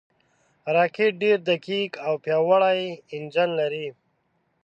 راکټ ډېر دقیق او پیاوړی انجن لري